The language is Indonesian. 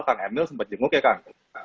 kang emil sempet jenguk ya kang